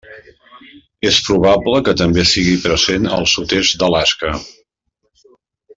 És probable que també sigui present al sud-est d'Alaska.